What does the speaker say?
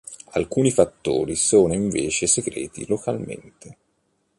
Alcuni fattori sono invece secreti localmente.